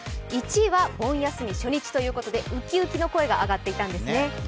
１位は盆休み初日ということで、ウキウキの声が上がっていたんですね。